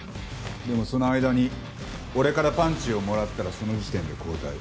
でもその間に俺からパンチをもらったらその時点で交代。